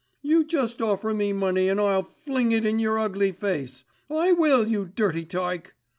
You just offer me money and I'll fling it in yer ugly face, I will, you dirty tyke.